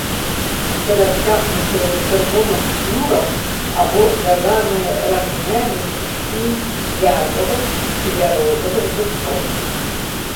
Перацягнутыя чырвоным шнуром або звязаныя рамянямі пучкі вязавых ці бярозавых дубцоў.